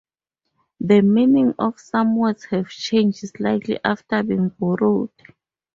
The meaning of some words have changed slightly after being borrowed.